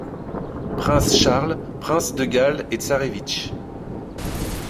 Prince Charles, Prince de Galles et Tzarewitch.